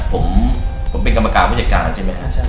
ผมเป็นกรรมการผู้จัดการใช่ไหมครับ